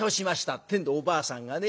ってんでおばあさんがね